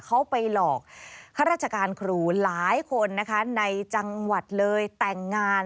เขาไปหลอกข้าราชการครูหลายคนนะคะในจังหวัดเลยแต่งงาน